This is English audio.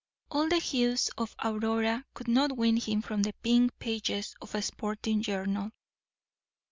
All the hues of Aurora could not win him from the pink pages of a sporting journal.